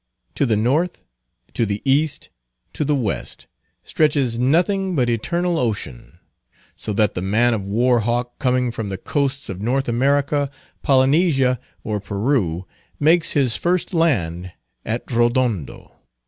To the north, to the east, to the west, stretches nothing but eternal ocean; so that the man of war hawk coming from the coasts of North America, Polynesia, or Peru, makes his first land at Rodondo.